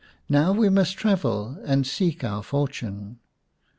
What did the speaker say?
Now we must travel and seek our fortune."